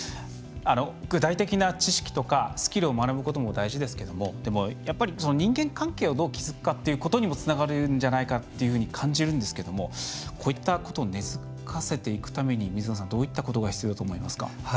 具体的な知識とかスキルを学ぶことも大事ですけれどもやっぱり人間関係をどう築くかというのにもつながるんじゃないかと感じるんですがこういったことを根づかせていくために、水野さんどういったことが必要だと思いますか。